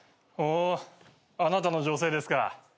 ほあなたの女性ですか。